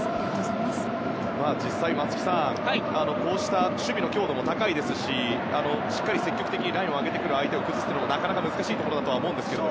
実際に松木さん守備の強度も高いですししっかり積極的にラインを上げてくる相手を崩すのはなかなか難しいところだとは思いますが。